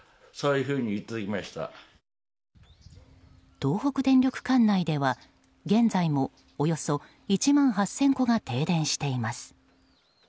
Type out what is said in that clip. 東北電力管内では現在もおよそ１万８０００戸が停電しています。